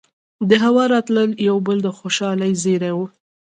دهوا راتلل يو بل د خوشالۍ زېرے وو